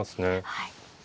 はい。